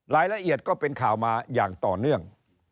รายละเอียดก็เป็นข่าวมาอย่างต่อเนื่อง